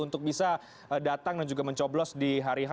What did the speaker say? untuk bisa datang dan juga mencoblos di hari h